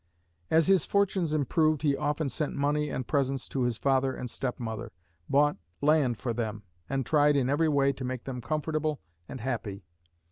As his fortunes improved he often sent money and presents to his father and step mother, bought land for them, and tried in every way to make them comfortable and happy.